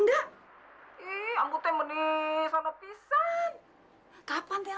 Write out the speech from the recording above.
itu ada muvel yang pesrawara